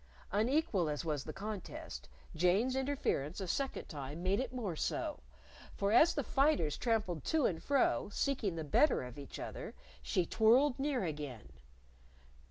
Unequal as was the contest, Jane's interference a second time made it more so. For as the fighters trampled to and fro, seeking the better of each other, she twirled near again.